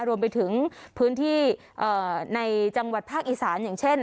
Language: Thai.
รวมไปถึงพื้นที่ในจังหวัดภาคอีสานอย่างเช่น